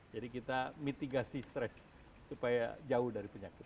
jadi kita mitigasi stress supaya jauh dari penyakit